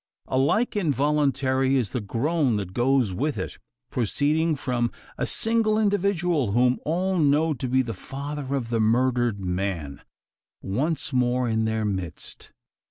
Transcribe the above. Alike involuntary is the groan that goes with it proceeding from a single individual, whom all know to be the father of the murdered man once more in their midst.